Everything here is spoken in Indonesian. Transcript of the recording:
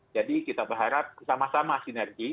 jadi kita berharap sama sama sinergi